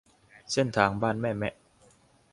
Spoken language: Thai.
เส้นทางบ้านแม่แมะ